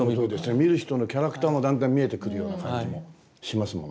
見る人のキャラクターもだんだん見えてくるような感じもしますもんね。